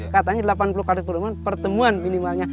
katanya delapan puluh kali pertemuan pertemuan minimalnya